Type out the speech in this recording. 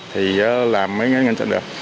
thì là mới ngăn chặn được